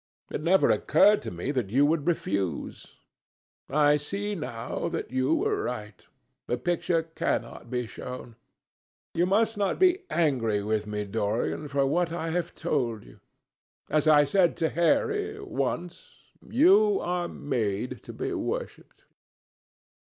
It never occurred to me that you would refuse. I see now that you were right. The picture cannot be shown. You must not be angry with me, Dorian, for what I have told you. As I said to Harry, once, you are made to be worshipped."